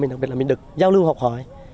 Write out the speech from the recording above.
đặc biệt là mình được giao lưu học hỏi